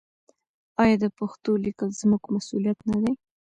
آیا د پښتو لیکل زموږ مسوولیت نه دی؟